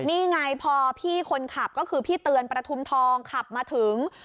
นี่ไงพอพี่คนขับก็คือพี่เตือนประทุมทองขับมาถึง